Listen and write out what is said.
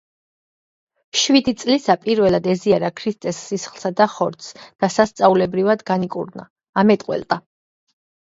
შვიდი წლისა პირველად ეზიარა ქრისტეს სისხლსა და ხორცს და სასწაულებრივად განიკურნა, ამეტყველდა.